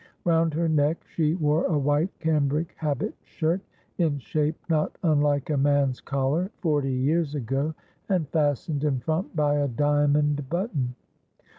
Round her neck she wore a white cambric habit shirt, in shape not unlike a man's collar (forty years ago), and fastened in front by a diamond button.